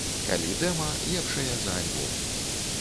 Калі дэма лепшае за альбом.